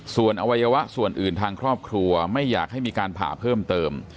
ส่วนอวัยวะส่วนอื่นทางครอบครัวไม่อยากให้มีการผ่าเพิ่มเติม